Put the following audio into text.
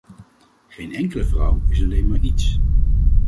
Geen enkele vrouw is "alleen maar” iets.